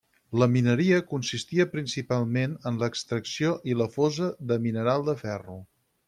La Mineria consistia principalment en l'extracció i la fosa de mineral de ferro.